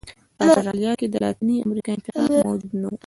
په اسټرالیا کې د لاتینې امریکا انتخاب موجود نه و.